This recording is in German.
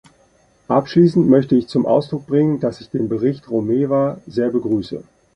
Abschließend möchte ich zum Ausdruck bringen, dass ich den Bericht Romeva sehr begrüße.